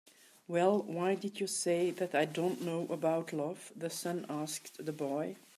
"Well, why did you say that I don't know about love?" the sun asked the boy.